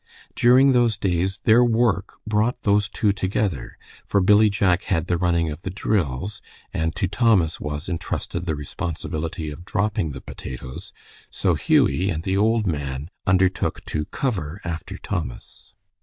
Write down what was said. During those days their work brought those two together, for Billy Jack had the running of the drills, and to Thomas was intrusted the responsibility of "dropping" the potatoes, so Hughie and the old man undertook to "cover" after Thomas.